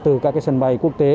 từ các sân bay quốc tế